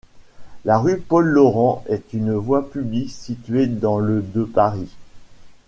La rue Paul-Laurent est une voie publique située dans le de Paris.